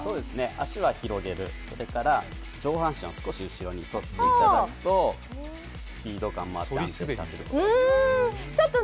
足は広げる、それから上半身を少し後ろに反っていただくと、スピード感もあって安定して走ることができます。